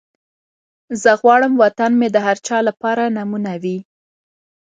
زه غواړم وطن مې د هر چا لپاره نمونه وي.